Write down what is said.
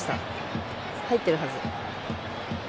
入ってるはず。